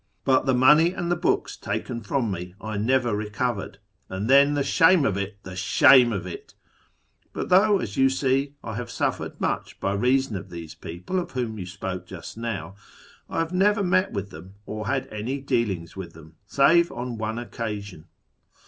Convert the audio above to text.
But the money and the books taken from me I never recovered ; and then the shame of it, the shame of MYSTICISM, METAPHYSIC, AND MAGIC 153 it ! But though, as you see, I have suffered much by reason of these people of whom you spoke just now, I have never met with them or had any dealings with them, save on one occasion.